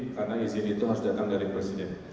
karena izin itu harus datang dari presiden